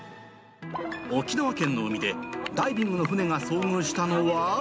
沖縄県の海で、ダイビングの船が遭遇したのは。